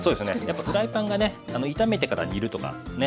やっぱフライパンがね炒めてから煮るとかね